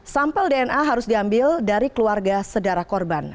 sampel dna harus diambil dari keluarga sedara korban